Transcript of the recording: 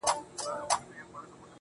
د سترگو اوښکي دي خوړلي گراني ~